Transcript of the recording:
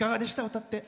歌って。